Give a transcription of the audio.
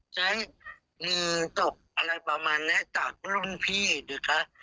จะให้มีตกอะไรประมาณนั้นจากรุ่นพี่ด้วยค่ะ